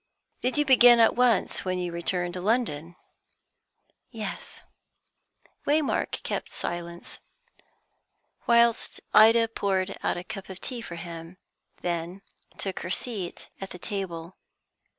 "Did you begin at once when you returned to London?" "Yes." Waymark kept silence, whilst Ida poured out a cup of tea for him, and then took her seat at the table.